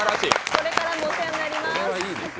これからもお世話になります。